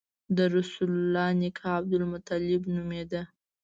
د رسول الله نیکه عبدالمطلب نومېده.